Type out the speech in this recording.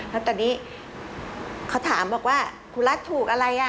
และตอนนี้เขาถามว่าครูรัฐถูกอะไร